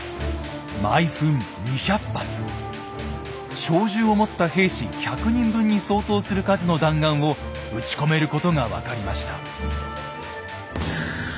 小銃を持った兵士１００人分に相当する数の弾丸を撃ち込めることが分かりました。